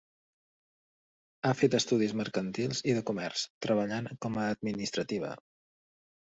Ha fet estudis mercantils i de comerç, treballant com a administrativa.